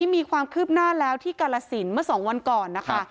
มีความคืบหน้าแล้วที่กาลสินเมื่อ๒วันก่อนนะคะ